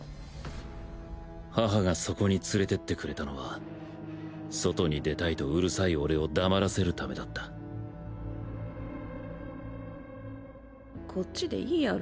母がそこに連れてってくれたのは外に出たいとうるさい俺を黙らせる為だったこっちでいいやろ。